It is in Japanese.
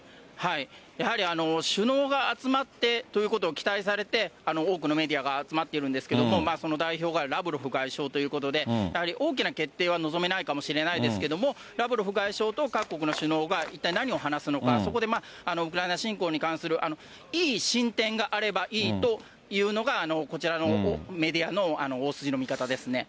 やはり首脳が集まってっていうこと期待されて、多くのメディアが集まっているんですけれども、その代表がラブロフ外相ということで、やはり大きな決定は望めないかもしれないですけれども、ラブロフ外相と各国の代表が一体何を話すのか、そこでウクライナ侵攻に関するいい進展があればいいというのが、こちらのメディアの大筋の見方ですね。